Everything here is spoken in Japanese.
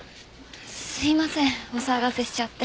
すいませんお騒がせしちゃって。